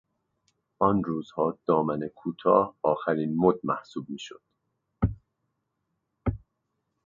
آن روزها دامن کوتاه آخرین مد محسوب میشد.